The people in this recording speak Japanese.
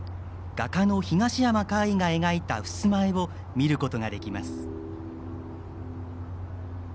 画家の東山魅夷が描いたふすま絵を見ることができます。